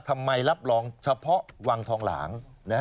รับรองเฉพาะวังทองหลาง